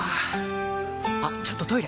あっちょっとトイレ！